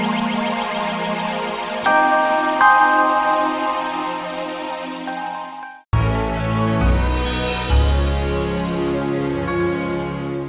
gila ini udah berapa